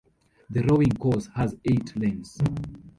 The rowing course has eight lanes.